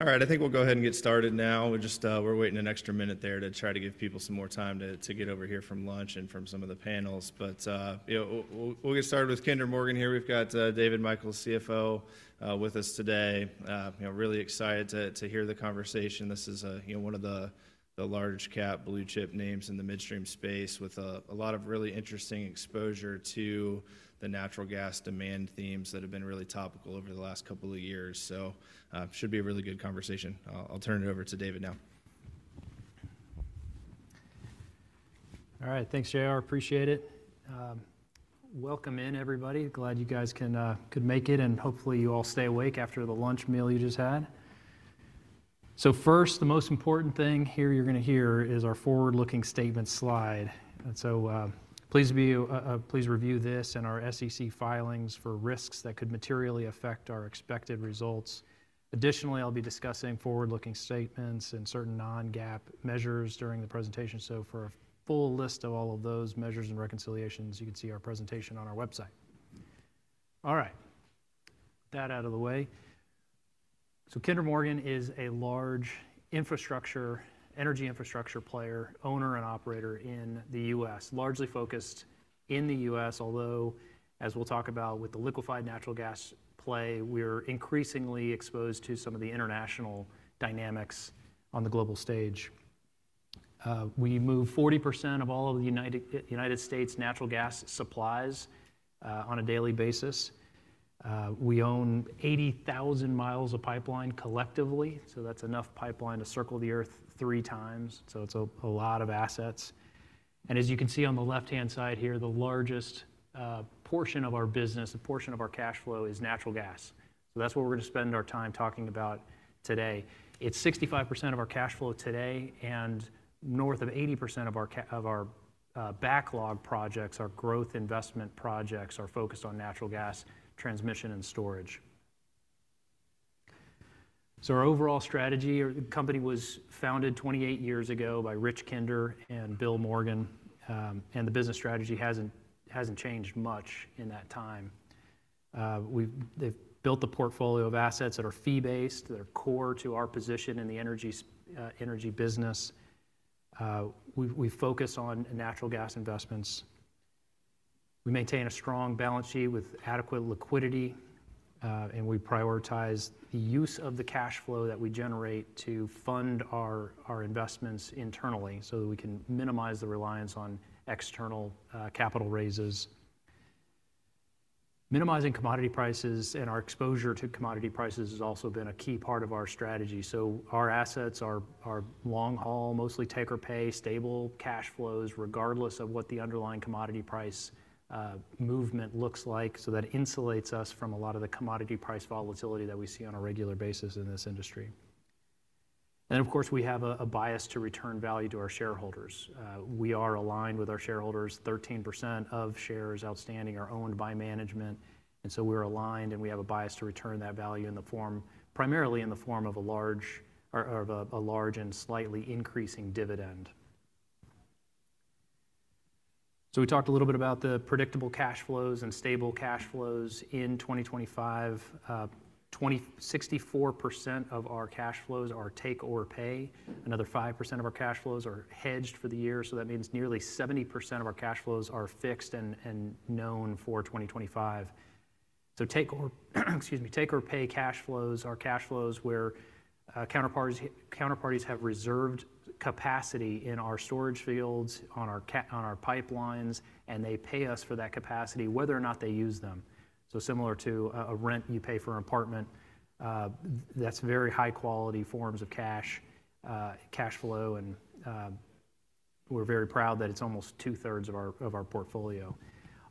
All right, I think we'll go ahead and get started now. We're just, we're waiting an extra minute there to try to give people some more time to, to get over here from lunch and from some of the panels. But, you know, we'll, we'll get started with Kinder Morgan here. We've got, David Michels, CFO, with us today. You know, really excited to, to hear the conversation. This is, you know, one of the, the large-cap blue-chip names in the midstream space with, a lot of really interesting exposure to the natural gas demand themes that have been really topical over the last couple of years. So, should be a really good conversation. I'll, I'll turn it over to David now. All right, thanks, JR. I appreciate it. Welcome in, everybody. Glad you guys could make it, and hopefully you all stay awake after the lunch meal you just had. So first, the most important thing here you're gonna hear is our forward-looking statement slide. And so, please review this and our SEC filings for risks that could materially affect our expected results. Additionally, I'll be discussing forward-looking statements and certain non-GAAP measures during the presentation. So for a full list of all of those measures and reconciliations, you can see our presentation on our website. All right, that out of the way. So Kinder Morgan is a large infrastructure, energy infrastructure player, owner, and operator in the U.S., largely focused in the U.S., although, as we'll talk about with the liquefied natural gas play, we're increasingly exposed to some of the international dynamics on the global stage. We move 40% of all of the United States natural gas supplies on a daily basis. We own 80,000 mi of pipeline collectively. That's enough pipeline to circle the Earth three times. It's a lot of assets. And as you can see on the left-hand side here, the largest portion of our business, the portion of our cash flow is natural gas. That's what we're gonna spend our time talking about today. It's 65% of our cash flow today, and north of 80% of our backlog projects, our growth investment projects are focused on natural gas transmission and storage. Our overall strategy of the company was founded 28 years ago by Rich Kinder and Bill Morgan, and the business strategy hasn't changed much in that time. They've built a portfolio of assets that are fee-based, that are core to our position in the energy business. We focus on natural gas investments. We maintain a strong balance sheet with adequate liquidity, and we prioritize the use of the cash flow that we generate to fund our investments internally so that we can minimize the reliance on external capital raises. Minimizing commodity prices and our exposure to commodity prices has also been a key part of our strategy, so our assets are long-haul, mostly take-or-pay, stable cash flows, regardless of what the underlying commodity price movement looks like, so that insulates us from a lot of the commodity price volatility that we see on a regular basis in this industry, and of course, we have a bias to return value to our shareholders. We are aligned with our shareholders. 13% of shares outstanding are owned by management, and so we're aligned, and we have a bias to return that value in the form, primarily in the form of a large or of a large and slightly increasing dividend. We talked a little bit about the predictable cash flows and stable cash flows in 2025. 64% of our cash flows are take-or-pay. Another 5% of our cash flows are hedged for the year. So that means nearly 70% of our cash flows are fixed and known for 2025. take-or-pay cash flows are cash flows where counterparties have reserved capacity in our storage fields, on our pipelines, and they pay us for that capacity, whether or not they use them. Similar to a rent you pay for an apartment, that's very high-quality forms of cash flow. We're very proud that it's almost two-thirds of our portfolio.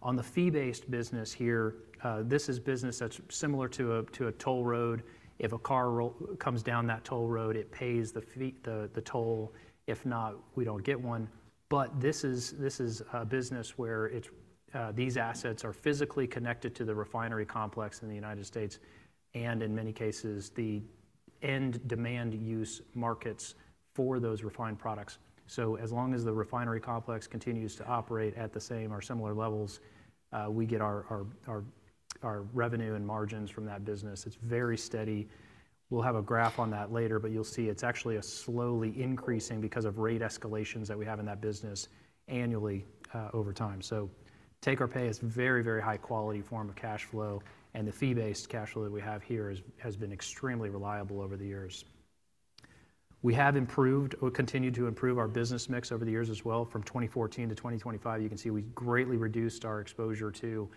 On the fee-based business here, this is business that's similar to a toll road. If a car or truck comes down that toll road, it pays the fee, the toll. If not, we don't get one. But this is a business where these assets are physically connected to the refinery complex in the United States and, in many cases, the end-use demand markets for those refined products. As long as the refinery complex continues to operate at the same or similar levels, we get our revenue and margins from that business. It's very steady. We'll have a graph on that later, but you'll see it's actually slowly increasing because of rate escalations that we have in that business annually, over time. So take-or-pay is a very, very high-quality form of cash flow. And the fee-based cash flow that we have here has been extremely reliable over the years. We have improved or continued to improve our business mix over the years as well. From 2014 to 2025, you can see we greatly reduced our exposure to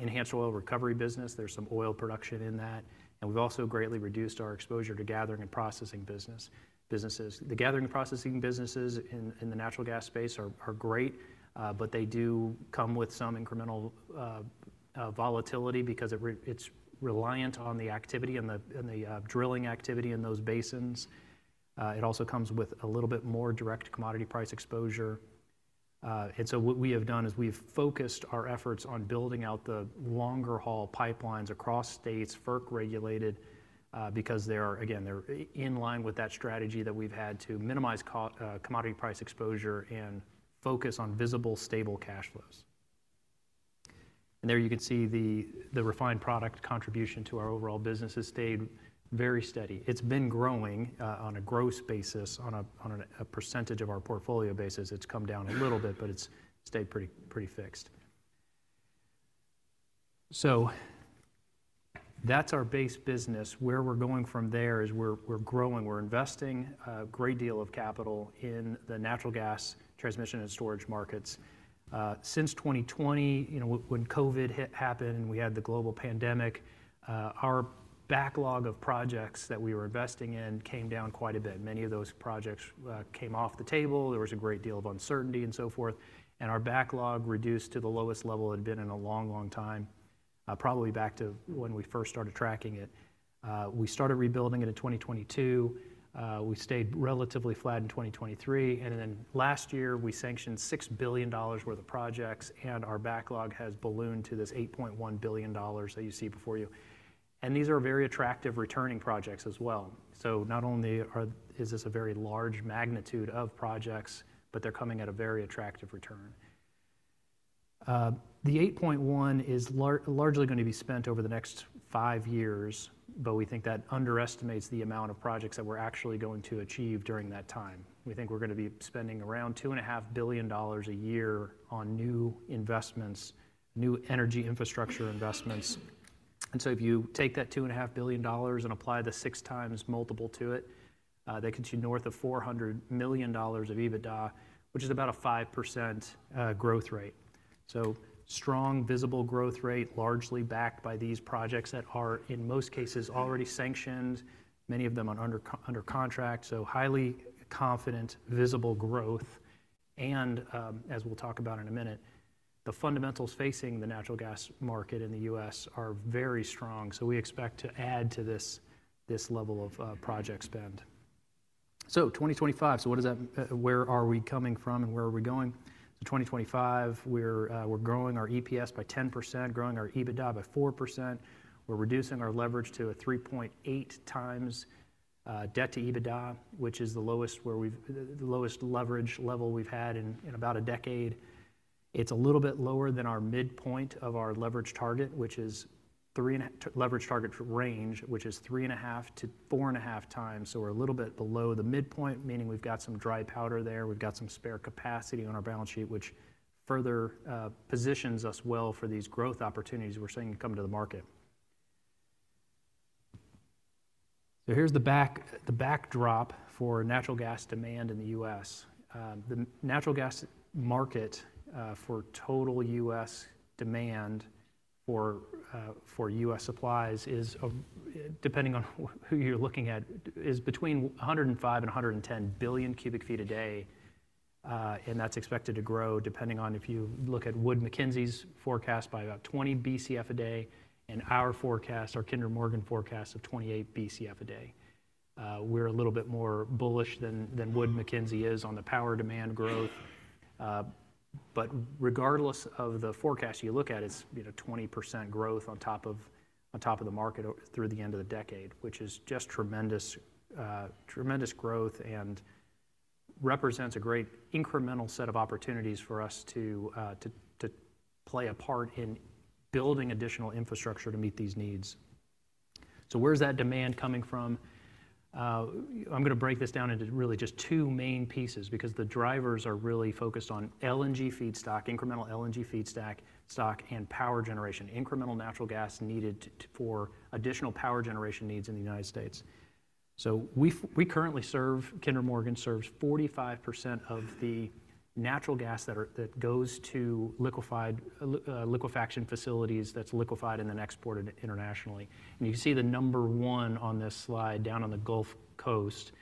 enhanced oil recovery business. There's some oil production in that. And we've also greatly reduced our exposure to gathering and processing businesses. The gathering and processing businesses in the natural gas space are great, but they do come with some incremental volatility because it's reliant on the activity and the drilling activity in those basins. It also comes with a little bit more direct commodity price exposure. And so what we have done is we've focused our efforts on building out the longer-haul pipelines across states, FERC-regulated, because they are, again, they're in line with that strategy that we've had to minimize commodity price exposure and focus on visible, stable cash flows. And there you can see the refined product contribution to our overall business has stayed very steady. It's been growing, on a gross basis, on a percentage of our portfolio basis. It's come down a little bit, but it's stayed pretty, pretty fixed, so that's our base business. Where we're going from there is we're growing. We're investing a great deal of capital in the natural gas transmission and storage markets. Since 2020, you know, when COVID happened and we had the global pandemic, our backlog of projects that we were investing in came down quite a bit. Many of those projects came off the table. There was a great deal of uncertainty and so forth. And our backlog reduced to the lowest level it had been in a long, long time, probably back to when we first started tracking it. We started rebuilding it in 2022. We stayed relatively flat in 2023. And then last year, we sanctioned $6 billion worth of projects, and our backlog has ballooned to this $8.1 billion that you see before you. And these are very attractive returning projects as well. So not only is this a very large magnitude of projects, but they're coming at a very attractive return. $8.1 billion is largely gonna be spent over the next five years, but we think that underestimates the amount of projects that we're actually going to achieve during that time. We think we're gonna be spending around $2.5 billion a year on new investments, new energy infrastructure investments. So if you take that $2.5 billion and apply the six times multiple to it, that gets you north of $400 million of EBITDA, which is about a 5% growth rate. Strong visible growth rate, largely backed by these projects that are, in most cases, already sanctioned, many of them under contract. Highly confident visible growth. As we'll talk about in a minute, the fundamentals facing the natural gas market in the U.S. are very strong. We expect to add to this level of project spend. So 2025, so what does that, where are we coming from and where are we going? So 2025, we're growing our EPS by 10%, growing our EBITDA by 4%. We're reducing our leverage to a 3.8x debt to EBITDA, which is the lowest leverage level we've had in about a decade. It's a little bit lower than our midpoint of our leverage target, which is three and a leverage target range, which is three and a half to four and a half times. So we're a little bit below the midpoint, meaning we've got some dry powder there. We've got some spare capacity on our balance sheet, which further positions us well for these growth opportunities we're seeing come to the market. So here's the backdrop for natural gas demand in the U.S. The natural gas market, for total U.S. demand for U.S. supplies is depending on who you're looking at, is between 105 billion and 110 billion cu ft a day. And that's expected to grow depending on if you look at Wood Mackenzie's forecast by about 20 Bcf a day and our forecast, our Kinder Morgan forecast of 28 Bcf a day. We're a little bit more bullish than Wood Mackenzie is on the power demand growth. But regardless of the forecast you look at, it's, you know, 20% growth on top of, on top of the market through the end of the decade, which is just tremendous, tremendous growth and represents a great incremental set of opportunities for us to play a part in building additional infrastructure to meet these needs. So where's that demand coming from? I'm gonna break this down into really just two main pieces because the drivers are really focused on LNG feedstock, incremental LNG feedstock, stock, and power generation, incremental natural gas needed for additional power generation needs in the United States. So we currently serve. Kinder Morgan serves 45% of the natural gas that goes to liquefaction facilities that's liquefied and then exported internationally. And you can see the number one on this slide down on the Gulf Coast.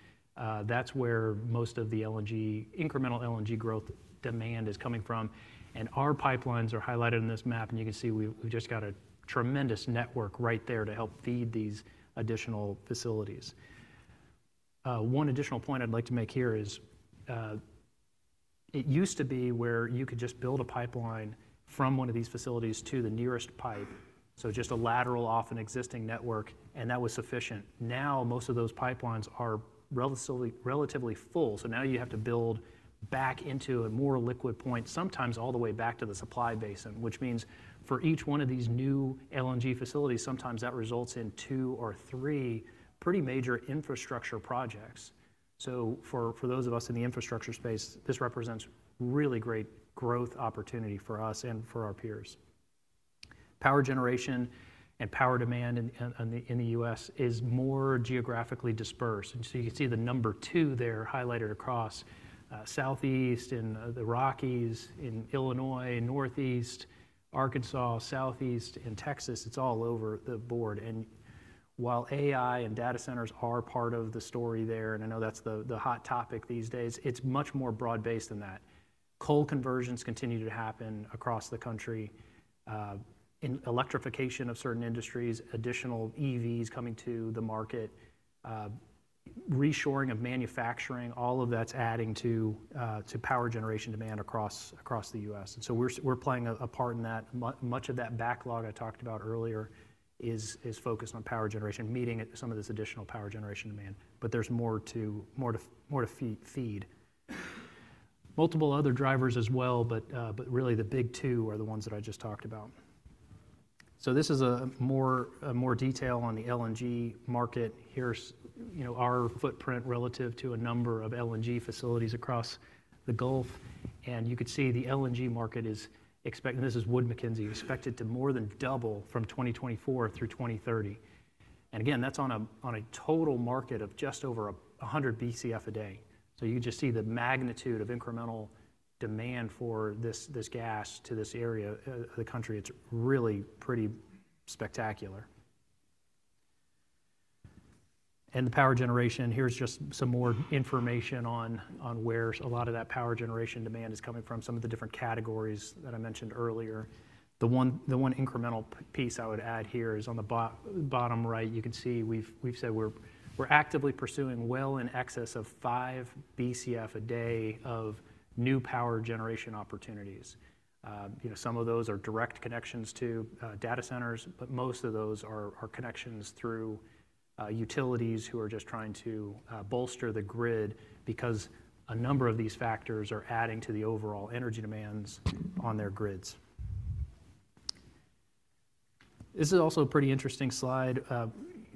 That's where most of the LNG, incremental LNG growth demand is coming from. And our pipelines are highlighted in this map. And you can see we just got a tremendous network right there to help feed these additional facilities. One additional point I'd like to make here is, it used to be where you could just build a pipeline from one of these facilities to the nearest pipe, so just a lateral off an existing network, and that was sufficient. Now, most of those pipelines are relatively full, so now you have to build back into a more liquid point, sometimes all the way back to the supply basin, which means for each one of these new LNG facilities, sometimes that results in two or three pretty major infrastructure projects, so for those of us in the infrastructure space, this represents really great growth opportunity for us and for our peers. Power generation and power demand in the U.S. is more geographically dispersed. And so you can see the number two there highlighted across the Southeast and the Rockies in Illinois, the Northeast, Arkansas, the Southeast, and Texas. It's all over the board. And while AI and data centers are part of the story there, and I know that's the hot topic these days, it's much more broad-based than that. Coal conversions continue to happen across the country, in electrification of certain industries, additional EVs coming to the market, reshoring of manufacturing, all of that's adding to power generation demand across the U.S. And so we're playing a part in that. Much of that backlog I talked about earlier is focused on power generation, meeting some of this additional power generation demand. But there's more to feed. Multiple other drivers as well, but really the big two are the ones that I just talked about. So this is more detail on the LNG market. Here's, you know, our footprint relative to a number of LNG facilities across the Gulf, and you could see the LNG market is expected, this is Wood Mackenzie, expected to more than double from 2024 through 2030, and again, that's on a total market of just over 100 Bcf a day. So you can just see the magnitude of incremental demand for this gas to this area of the country. It's really pretty spectacular. And the power generation, here's just some more information on where a lot of that power generation demand is coming from, some of the different categories that I mentioned earlier. The one incremental piece I would add here is on the bottom right. You can see we've said we're actively pursuing well in excess of 5 Bcf a day of new power generation opportunities. You know, some of those are direct connections to data centers, but most of those are connections through utilities who are just trying to bolster the grid because a number of these factors are adding to the overall energy demands on their grids. This is also a pretty interesting slide.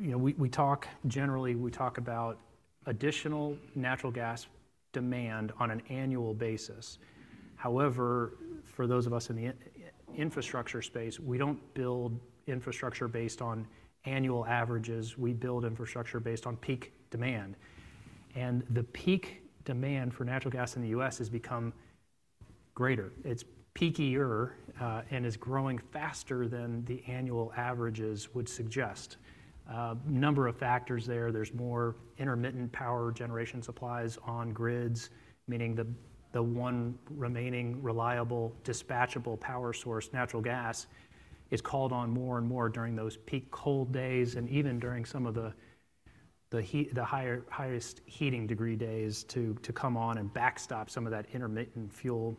You know, we talk generally about additional natural gas demand on an annual basis. However, for those of us in the infrastructure space, we don't build infrastructure based on annual averages. We build infrastructure based on peak demand. The peak demand for natural gas in the U.S. has become greater. It's peakier, and is growing faster than the annual averages would suggest. A number of factors there. There's more intermittent power generation supplies on grids, meaning the one remaining reliable dispatchable power source, natural gas, is called on more and more during those peak cold days and even during some of the heat, the higher, highest heating degree days to come on and backstop some of that intermittent fuel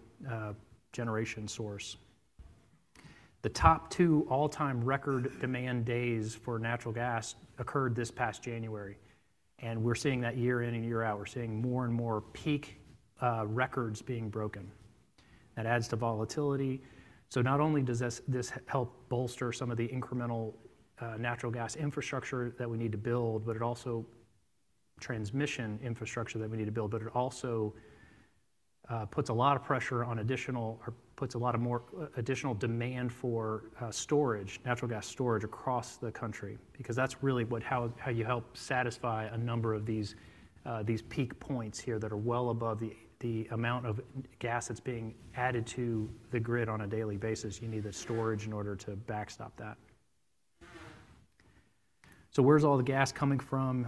generation source. The top two all-time record demand days for natural gas occurred this past January. And we're seeing that year in and year out. We're seeing more and more peak records being broken. That adds to volatility. So not only does this help bolster some of the incremental natural gas infrastructure that we need to build, but it also transmission infrastructure that we need to build. But it also puts a lot of pressure on additional or more additional demand for storage, natural gas storage across the country because that's really what how you help satisfy a number of these peak points here that are well above the amount of gas that's being added to the grid on a daily basis. You need the storage in order to backstop that. So where's all the gas coming from?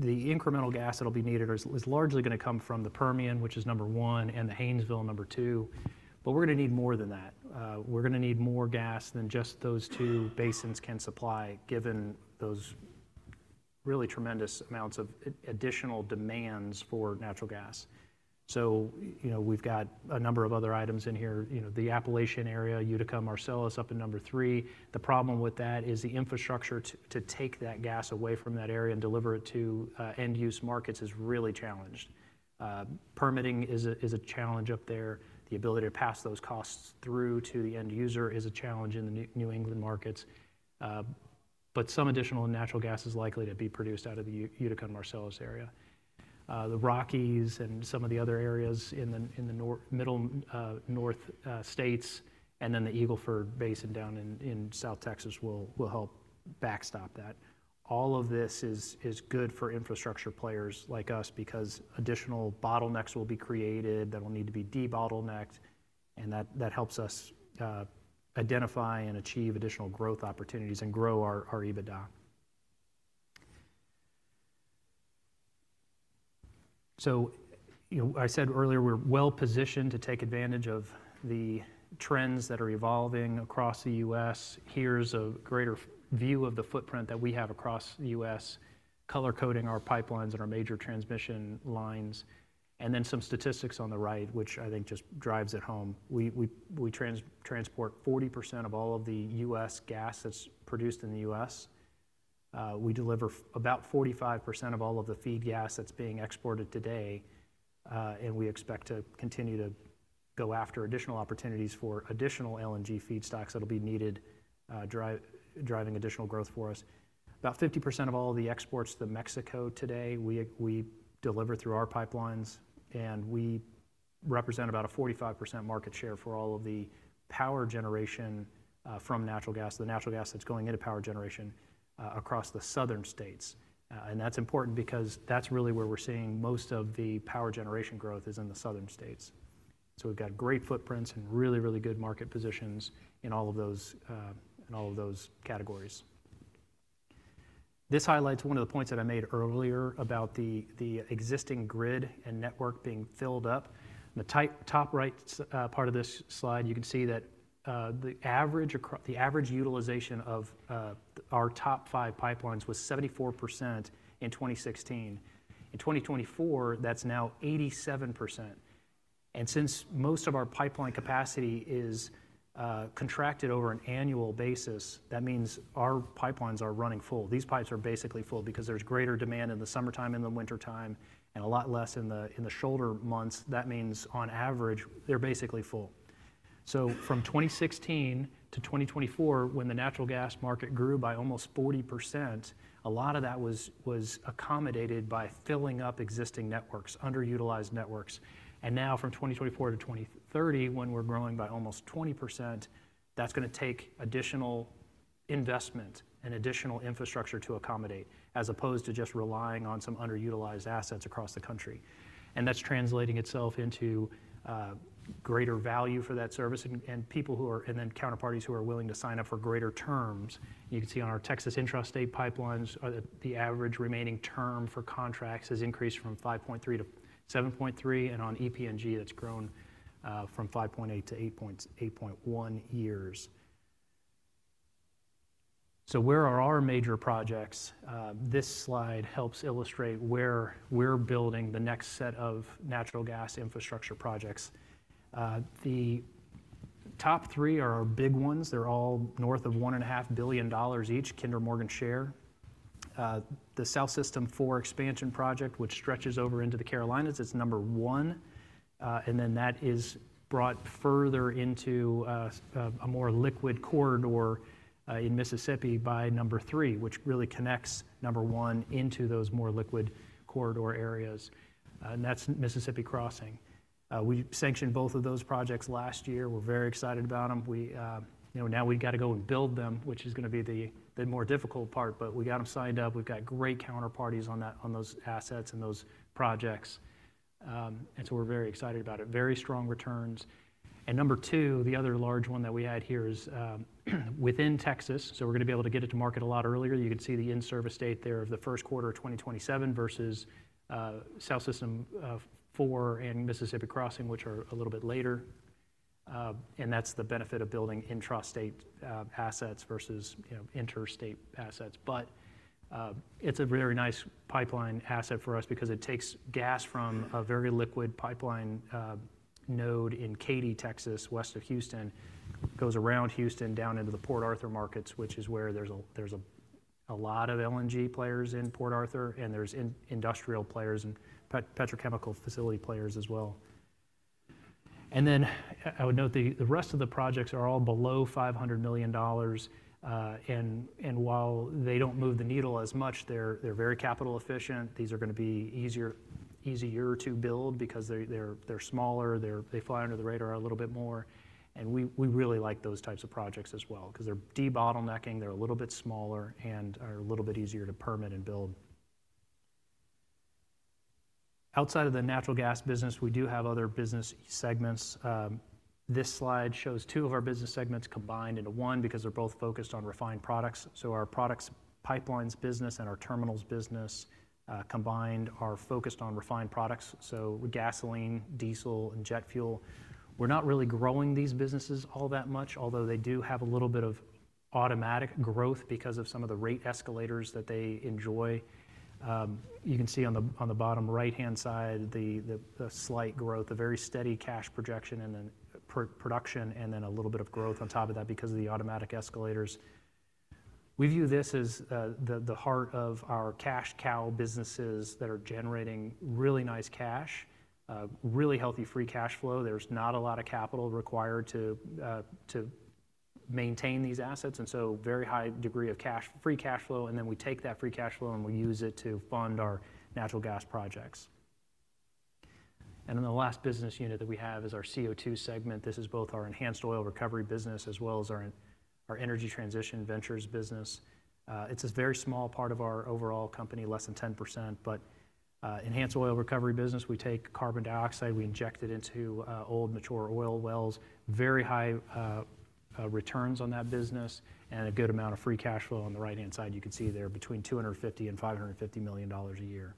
The incremental gas that'll be needed is largely gonna come from the Permian, which is number one, and the Haynesville, number two. But we're gonna need more than that. We're gonna need more gas than just those two basins can supply given those really tremendous amounts of additional demands for natural gas. So, you know, we've got a number of other items in here. You know, the Appalachian area, Utica, Marcellus up in number three. The problem with that is the infrastructure to take that gas away from that area and deliver it to end-use markets is really challenged. Permitting is a challenge up there. The ability to pass those costs through to the end user is a challenge in the New England markets, but some additional natural gas is likely to be produced out of the Utica, Marcellus area, the Rockies and some of the other areas in the north, middle north states and then the Eagle Ford Basin down in South Texas will help backstop that. All of this is good for infrastructure players like us because additional bottlenecks will be created that'll need to be debottlenecked, and that helps us identify and achieve additional growth opportunities and grow our EBITDA. You know, I said earlier we're well positioned to take advantage of the trends that are evolving across the U.S. Here's a greater view of the footprint that we have across the U.S., color-coding our pipelines and our major transmission lines. Then some statistics on the right, which I think just drives it home. We transport 40% of all of the U.S. gas that's produced in the U.S. We deliver about 45% of all of the feed gas that's being exported today. We expect to continue to go after additional opportunities for additional LNG feedstocks that'll be needed, driving additional growth for us. About 50% of all of the exports to Mexico today, we deliver through our pipelines, and we represent about a 45% market share for all of the power generation from natural gas, the natural gas that's going into power generation, across the southern states. That's important because that's really where we're seeing most of the power generation growth is in the southern states. So we've got great footprints and really good market positions in all of those categories. This highlights one of the points that I made earlier about the existing grid and network being filled up. The tight top right part of this slide, you can see that the average utilization of our top five pipelines was 74% in 2016. In 2024, that's now 87%. And since most of our pipeline capacity is contracted over an annual basis, that means our pipelines are running full. These pipes are basically full because there's greater demand in the summertime and the wintertime and a lot less in the shoulder months. That means on average, they're basically full. So from 2016 to 2024, when the natural gas market grew by almost 40%, a lot of that was accommodated by filling up existing networks, underutilized networks. And now from 2024 to 2030, when we're growing by almost 20%, that's gonna take additional investment and additional infrastructure to accommodate as opposed to just relying on some underutilized assets across the country. And that's translating itself into greater value for that service and people who are and then counterparties who are willing to sign up for greater terms. You can see on our Texas Intrastate Pipelines, the average remaining term for contracts has increased from 5.3 to 7.3. And on EPNG, that's grown from 5.8 to 8.8 years. So where are our major projects? This slide helps illustrate where we're building the next set of natural gas infrastructure projects. The top three are our big ones. They're all north of $1.5 billion each, Kinder Morgan share. The South System 4 expansion project, which stretches over into the Carolinas, it's number one. And then that is brought further into a more liquid corridor in Mississippi by number three, which really connects number one into those more liquid corridor areas. And that's Mississippi Crossing. We sanctioned both of those projects last year. We're very excited about 'em. We, you know, now we've gotta go and build them, which is gonna be the more difficult part. But we got 'em signed up. We've got great counterparties on that, on those assets and those projects and so we're very excited about it. Very strong returns and number two, the other large one that we had here is within Texas so we're gonna be able to get it to market a lot earlier. You can see the in-service date there of the first quarter of 2027 versus South System 4 and Mississippi Crossing, which are a little bit later and that's the benefit of building intrastate assets versus, you know, interstate assets. But it's a very nice pipeline asset for us because it takes gas from a very liquid pipeline node in Katy, Texas, West of Houston, goes around Houston down into the Port Arthur markets, which is where there's a lot of LNG players in Port Arthur, and there's industrial players and petrochemical facility players as well. And then I would note the rest of the projects are all below $500 million, and while they don't move the needle as much, they're very capital efficient. These are gonna be easier to build because they're smaller, they fly under the radar a little bit more. And we really like those types of projects as well 'cause they're debottlenecking, they're a little bit smaller, and are a little bit easier to permit and build. Outside of the natural gas business, we do have other business segments. This slide shows two of our business segments combined into one because they're both focused on refined products. So our Products Pipelines business and our Terminals business, combined are focused on refined products. So gasoline, diesel, and jet fuel. We're not really growing these businesses all that much, although they do have a little bit of automatic growth because of some of the rate escalators that they enjoy. You can see on the bottom right-hand side the slight growth, a very steady cash projection and then per production, and then a little bit of growth on top of that because of the automatic escalators. We view this as the heart of our cash cow businesses that are generating really nice cash, really healthy free cash flow. There's not a lot of capital required to maintain these assets, and so a very high degree of cash free cash flow. Then we take that free cash flow and we use it to fund our natural gas projects. Then the last business unit that we have is our CO2 segment. This is both our enhanced oil recovery business as well as our Energy Transition Ventures business. It's a very small part of our overall company, less than 10%, but enhanced oil recovery business, we take carbon dioxide, we inject it into old mature oil wells, very high returns on that business and a good amount of free cash flow on the right-hand side. You can see there between $250 million and $550 million a year.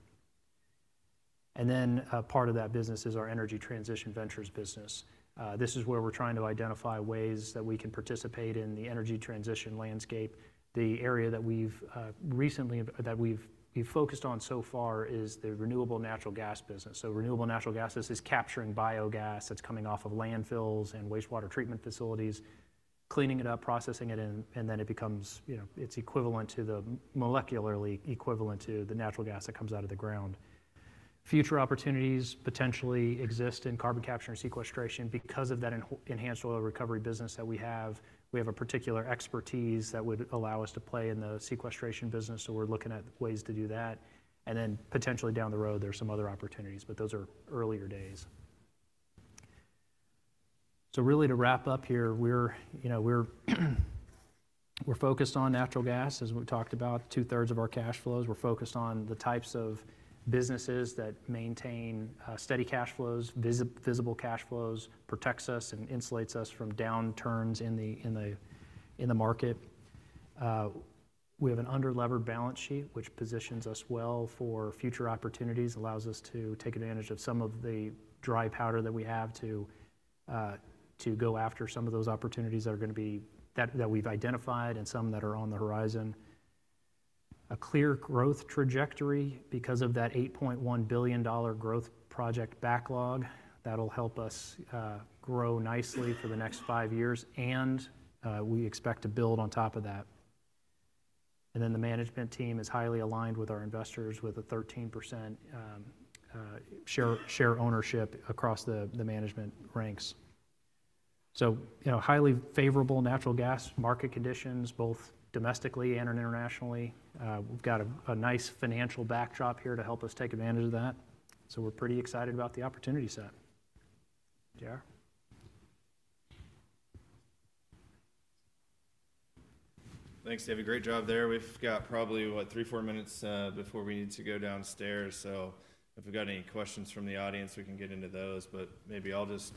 Then part of that business is our Energy Transition Ventures business. This is where we're trying to identify ways that we can participate in the energy transition landscape. The area that we've recently focused on so far is the renewable natural gas business. So renewable natural gas is capturing biogas that's coming off of landfills and wastewater treatment facilities, cleaning it up, processing it, and then it becomes, you know, it's molecularly equivalent to the natural gas that comes out of the ground. Future opportunities potentially exist in carbon capture and sequestration because of that enhanced oil recovery business that we have. We have a particular expertise that would allow us to play in the sequestration business. So we're looking at ways to do that. And then potentially down the road, there's some other opportunities, but those are earlier days. So really to wrap up here, you know, we're focused on natural gas, as we've talked about, two-thirds of our cash flows. We're focused on the types of businesses that maintain steady cash flows, visible cash flows, protects us and insulates us from downturns in the market. We have an under-levered balance sheet, which positions us well for future opportunities, allows us to take advantage of some of the dry powder that we have to go after some of those opportunities that we've identified and some that are on the horizon. We have a clear growth trajectory because of that $8.1 billion growth project backlog that'll help us grow nicely for the next five years. We expect to build on top of that. And then the management team is highly aligned with our investors with a 13% share ownership across the management ranks. So, you know, highly favorable natural gas market conditions, both domestically and internationally. We've got a nice financial backdrop here to help us take advantage of that. So we're pretty excited about the opportunity set. JR? Thanks, David. Great job there. We've got probably what, three, four minutes, before we need to go downstairs. So if we've got any questions from the audience, we can get into those. But maybe I'll just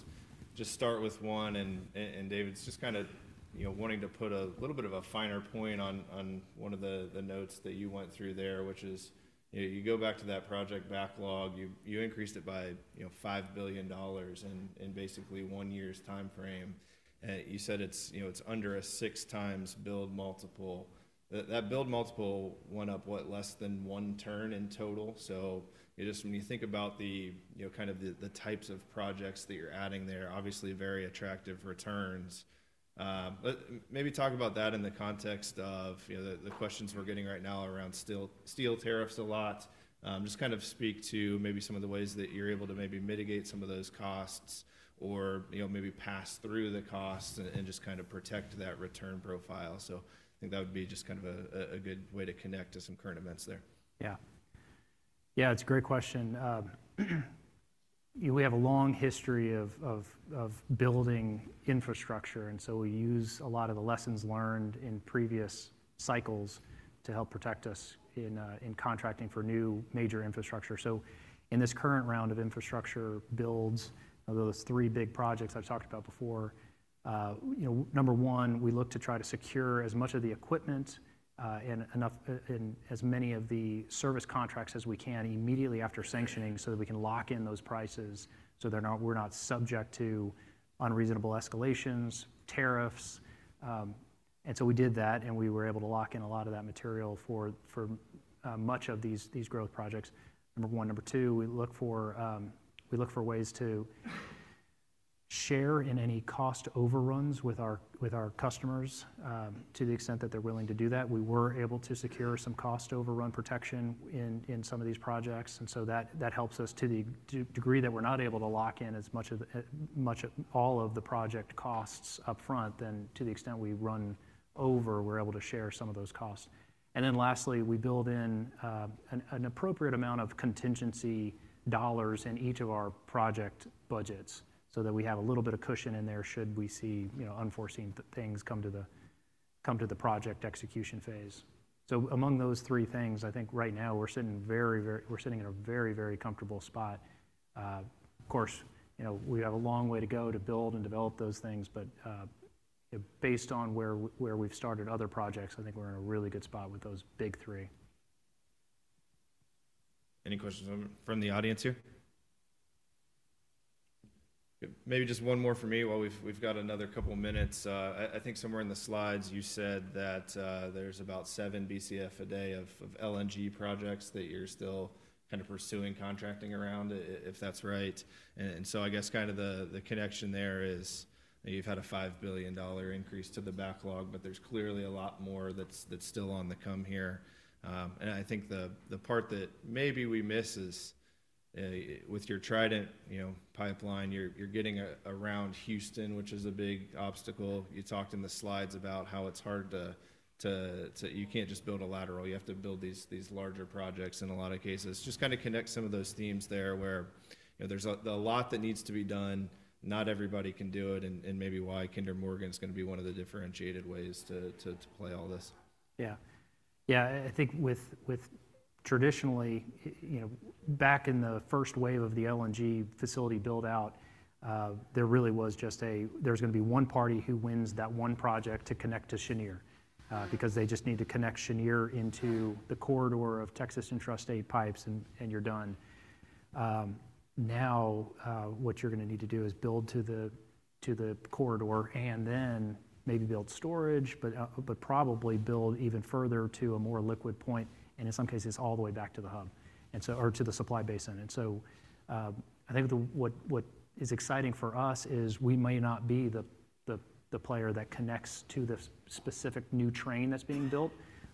start with one. David's just kind of, you know, wanting to put a little bit of a finer point on one of the notes that you went through there, which is, you know, you go back to that project backlog. You increased it by $5 billion in basically one year's timeframe. You said it's, you know, it's under a six times build multiple. That build multiple went up, what, less than one turn in total. When you think about the types of projects that you're adding there, obviously very attractive returns. Maybe talk about that in the context of the questions we're getting right now around steel tariffs a lot. Just kind of speak to maybe some of the ways that you're able to maybe mitigate some of those costs or, you know, maybe pass through the costs and, and just kind of protect that return profile. So I think that would be just kind of a good way to connect to so me current events there. Yeah. Yeah, it's a great question. You know, we have a long history of building infrastructure. And so we use a lot of the lessons learned in previous cycles to help protect us in contracting for new major infrastructure. So in this current round of infrastructure builds, those three big projects I've talked about before, you know, number one, we look to try to secure as much of the equipment, and enough, in as many of the service contracts as we can immediately after sanctioning so that we can lock in those prices so they're not, we're not subject to unreasonable escalations, tariffs, and so we did that and we were able to lock in a lot of that material for much of these growth projects. Number one. Number two, we look for ways to share in any cost overruns with our customers, to the extent that they're willing to do that. We were able to secure some cost overrun protection in some of these projects. And so that helps us to the degree that we're not able to lock in as much of all of the project costs upfront, then to the extent we run over, we're able to share some of those costs. And then lastly, we build in an appropriate amount of contingency dollars in each of our project budgets so that we have a little bit of cushion in there should we see, you know, unforeseen things come to the project execution phase. So among those three things, I think right now we're sitting very, very comfortably. Of course, you know, we have a long way to go to build and develop those things. But, you know, based on where we've started other projects, I think we're in a really good spot with those big three. Any questions from the audience here? Maybe just one more for me while we've got another couple minutes. I think somewhere in the slides you said that there's about seven Bcf a day of LNG projects that you're still kind of pursuing contracting around, if that's right, and so I guess kind of the connection there is you've had a $5 billion increase to the backlog, but there's clearly a lot more that's still on the come here, and I think the part that maybe we miss is with your Trident, you know, pipeline, you're getting around Houston, which is a big obstacle. You talked in the slides about how it's hard to you can't just build a lateral, you have to build these larger projects in a lot of cases. Just kind of connect some of those themes there where, you know, there's a lot that needs to be done, not everybody can do it. And maybe why Kinder Morgan's gonna be one of the differentiated ways to play all this. Yeah. Yeah. I think with traditionally, you know, back in the first wave of the LNG facility buildout, there really was just a, there's gonna be one party who wins that one project to connect to Cheniere, because they just need to connect Cheniere into the corridor of Texas Intrastate pipes and you're done. Now, what you're gonna need to do is build to the corridor and then maybe build storage, but probably build even further to a more liquid point and in some cases all the way back to the hub and so or to the supply basin. So, I think what is exciting for us is we may not be the player that connects to the specific new train that's being built,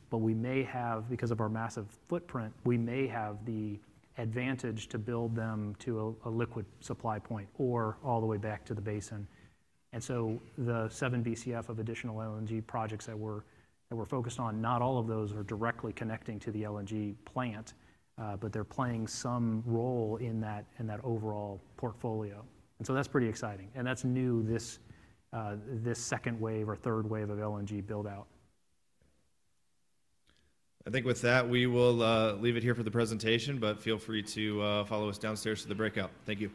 but we may have, because of our massive footprint, we may have the advantage to build them to a liquid supply point or all the way back to the basin. So the seven Bcf of additional LNG projects that we're focused on, not all of those are directly connecting to the LNG plant, but they're playing some role in that overall portfolio. And so that's pretty exciting, and that's new, this second wave or third wave of LNG buildout. I think with that, we will leave it here for the presentation, but feel free to follow us downstairs to the breakout. Thank you.